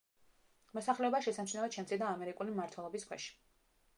მოსახლეობა შესამჩნევად შემცირდა ამერიკული მმართველობის ქვეშ.